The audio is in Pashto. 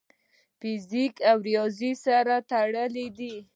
فزیک او ریاضي سره تړلي دي.